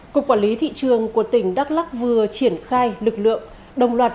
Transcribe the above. cục quản lý thị trường của tỉnh đắk lắc vừa triển khai lực lượng đồng loạt